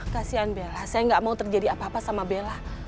kasian bella saya nggak mau terjadi apa apa sama bella